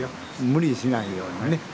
無理しないようにね。